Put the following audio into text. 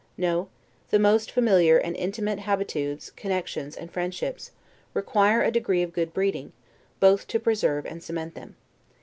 No. The most familiar and intimate habitudes, connections, and friendships, require a degree of good breeding, both to preserve and cement them.